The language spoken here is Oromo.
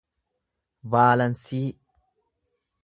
vaalansii